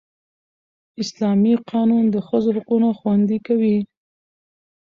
اسلامي قانون د ښځو حقونه خوندي کوي